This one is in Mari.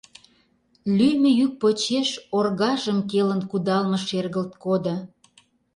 Лӱйымӧ йӱк почеш оргажым келын кудалме шергылт кодо.